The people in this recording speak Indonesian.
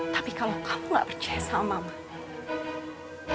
tapi kalau kamu gak percaya sama mama